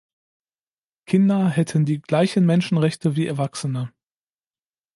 Kinder hätten die gleichen Menschenrechte wie Erwachsene.